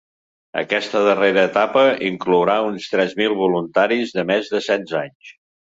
Aquesta darrera etapa inclourà uns tres mil voluntaris de més de setze anys.